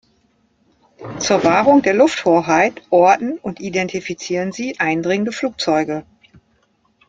Zur Wahrung der Lufthoheit orten und identifizieren sie eindringende Flugzeuge.